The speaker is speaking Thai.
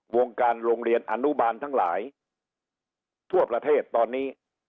วงการโรงเรียนอนุบาลทั้งหลายทั่วประเทศตอนนี้